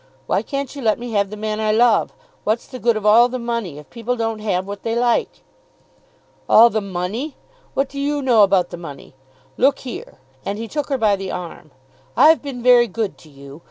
Why can't you let me have the man I love? What's the good of all the money if people don't have what they like?" "All the money! What do you know about the money? Look here," and he took her by the arm. "I've been very good to you.